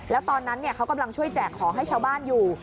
แล้วตอนนั้นเขากำลังช่วยแจกของให้ชาวบ้านอยู่